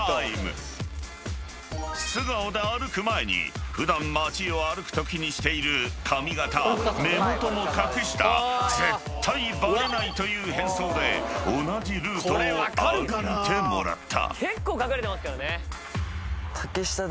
［素顔で歩く前に普段街を歩くときにしている髪形目元も隠した絶対バレないという変装で同じルートを歩いてもらった］